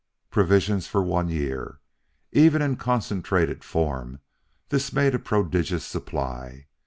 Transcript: Provisions for one year! Even in concentrated form this made a prodigious supply.